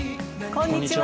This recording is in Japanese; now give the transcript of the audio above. こんにちは。